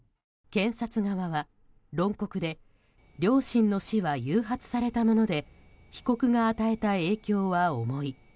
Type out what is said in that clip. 検察側は論告で両親の死は誘発されたもので被告が与えた影響は重い。